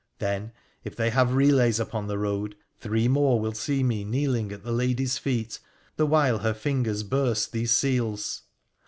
Then, if they have relays upon the road, three more will see me kneeling at the lady's feet, the while her fingers burst these seals.